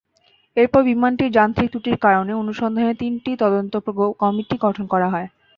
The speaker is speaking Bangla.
এরপর বিমানটির যান্ত্রিক ত্রুটির কারণ অনুসন্ধানে তিনটি তদন্ত কমিটি গঠন করা হয়।